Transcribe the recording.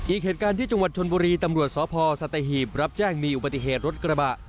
อีกเหตุการณ์ที่จังหวัดชนบุรีตำรวจสพสัตหีบรับแจ้งมีอุบัติเหตุรถกระบะ